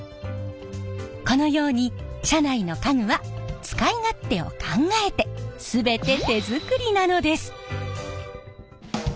このように車内の家具は使い勝手を考えて全て手作りなのです！